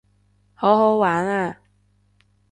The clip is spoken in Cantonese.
好好玩啊